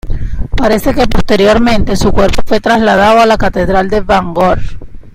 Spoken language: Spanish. Parece que posteriormente su cuerpo fue trasladado a la catedral de Bangor.